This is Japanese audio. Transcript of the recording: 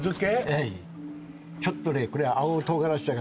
はいちょっとね